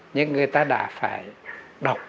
nhưng người ta đã phải đọc